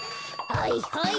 はいはい！